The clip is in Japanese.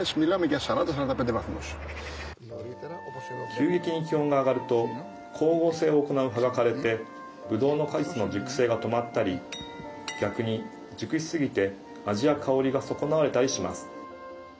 急激に気温が上がると光合成を行う葉が枯れてブドウの果実の熟成が止まったり逆に、熟しすぎて味や香りが損なわれたりします。